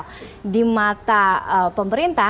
di mata pemerintah artinya dari mata pemerintah